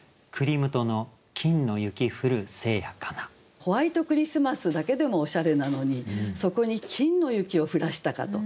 ホワイトクリスマスだけでもおしゃれなのにそこに金の雪を降らしたかと。